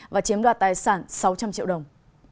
và chiếm đoạt tài sản sáu trăm linh triệu đồng